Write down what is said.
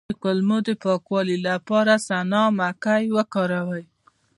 د کولمو د پاکوالي لپاره سنا مکی وکاروئ